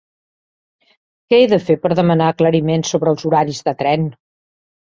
Què he de fer per demanar aclariments sobre els horaris de tren?